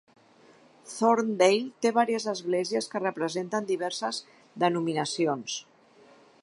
Thorndale té vàries esglésies que representen diverses denominacions.